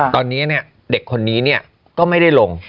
ตอนนี้เนี้ยเด็กคนนี้เนี้ยก็ไม่ได้ลง